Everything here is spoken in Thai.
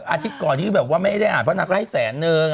อาทิตย์ก่อนที่แบบว่าไม่ได้อ่านเพราะนางก็ให้แสนนึง